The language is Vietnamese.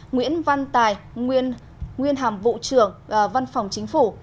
nguyễn văn tài nguyên hàm vụ trưởng văn phòng chính phủ